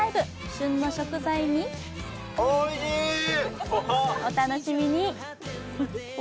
旬の食材にお楽しみに。